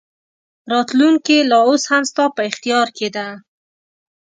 راتلونکې لا اوس هم ستا په اختیار کې ده.